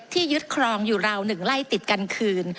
ที่ยึดครองอยู่ราวหนึ่งไร่ติดกันคืน